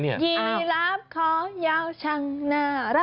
ยีลับของยาวช่างน่ารัก